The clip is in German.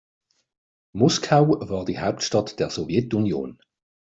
Moskau war die Hauptstadt der Sowjetunion.